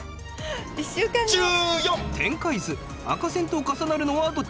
１週間後。